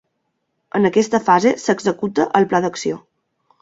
En aquesta fase s'executa el pla d'acció.